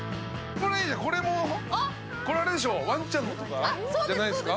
これあれでしょう、ワンちゃんのとかじゃないですか？